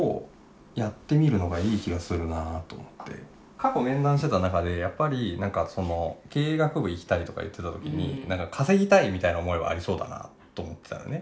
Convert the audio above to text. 過去面談してた中でやっぱり何かその経営学部行きたいとか言ってた時に稼ぎたいみたいな思いはありそうだなと思ってたのね。